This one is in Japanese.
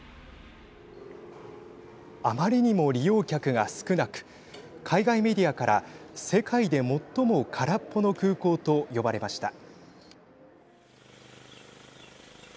あまりにも利用客が少なく海外メディアから世界で最も空っぽの空港と呼ばれました。